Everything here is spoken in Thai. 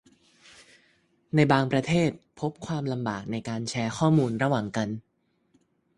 ในบางประเทศ พบความลำบากในการแชร์ข้อมูลระหว่างกัน